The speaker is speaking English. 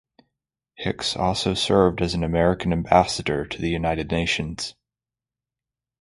Hicks also served as American Ambassador to the United Nations.